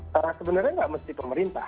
sebenarnya enggak mesti pemerintah